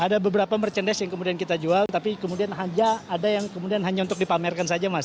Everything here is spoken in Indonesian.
ada beberapa merchandise yang kemudian kita jual tapi kemudian hanya ada yang kemudian hanya untuk dipamerkan saja mas